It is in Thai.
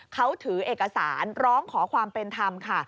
เขาถือเอกสารร้องขอความเป็นธรรมค่ะ